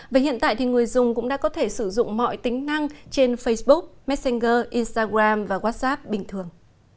với hiện tại thì người dùng cũng đã có thể sử dụng mọi tính năng trên facebook messenger instagram và whatsapp bình thường